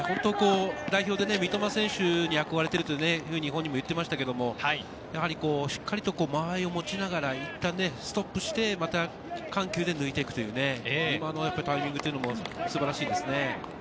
代表で三笘選手にあこがれているというふうに、本人も言っていましたけど、しっかりと間合いを持ちながら、ストップして、また緩急で抜いて行くタイミングというのも素晴らしいですね。